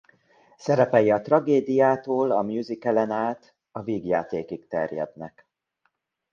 Szerepei a tragédiától a musicalen át a vígjátékig terjednek.